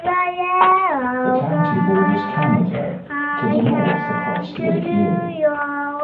The county borders Canada to the north across Lake Erie.